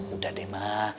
udah deh ma